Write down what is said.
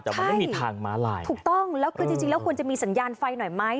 แต่มันไม่มีทางม้าลายถูกต้องแล้วคือจริงจริงแล้วควรจะมีสัญญาณไฟหน่อยไหม